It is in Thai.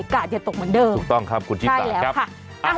มีโอกาสอย่าตกเหมือนเดิมถูกต้องครับคุณจิตาได้แล้วค่ะอ้ะ